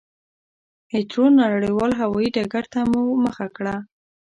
هېترو نړېوال هوایي ډګرته مو مخه کړه.